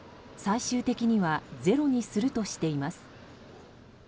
最終的にはゼロにするとしています。